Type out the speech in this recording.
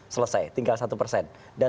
selesai tinggal satu persen dan